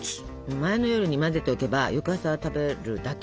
前の夜に混ぜておけば翌朝は食べるだけ！